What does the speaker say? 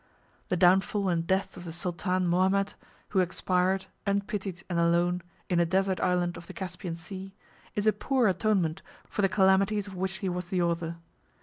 The downfall and death of the sultan Mohammed, who expired, unpitied and alone, in a desert island of the Caspian Sea, is a poor atonement for the calamities of which he was the author.